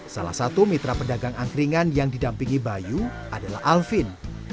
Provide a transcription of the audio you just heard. salah satu mitra pedagang angkringan yang didampingi bayu adalah alvin